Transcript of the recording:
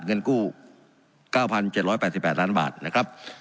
เงินกู้๙๗๘๘ล้านบาทนะครับ